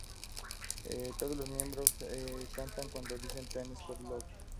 Todos los miembros cantan cuando dicen ""Ten Seconds to Love"".